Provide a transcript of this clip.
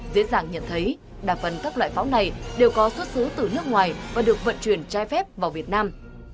dễ dàng nhận thấy đa phần các loại pháo này đều có xuất xứ từ nước ngoài và được vận chuyển trái phép vào việt nam